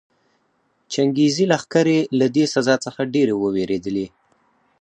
چنګېزي لښکرې له دې سزا څخه ډېرې ووېرېدلې.